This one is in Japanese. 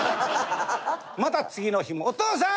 また次の日も「お父さん！